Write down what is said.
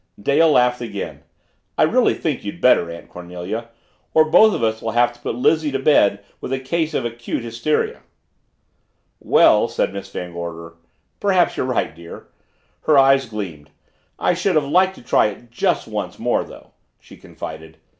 Dale laughed again. "I really think you'd better, Aunt Cornelia. Or both of us will have to put Lizzie to bed with a case of acute hysteria." "Well," said Miss Van Gorder, "perhaps you're right, dear." Her eyes gleamed. "I should have liked to try it just once more though," she confided.